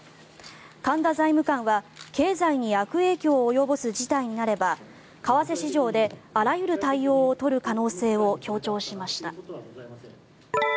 神田財務官は、経済に悪影響を及ぼす事態になれば為替市場であらゆる対応を取る可能性を強調しました。